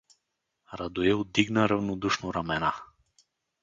Радоил дигна равнодушно рамена.